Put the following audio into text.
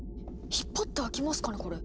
引っ張って開きますかねこれ。